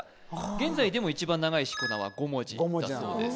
現在でも一番長い四股名は五文字だそうです